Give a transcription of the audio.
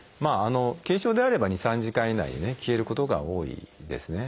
軽症であれば２３時間以内に消えることが多いですね。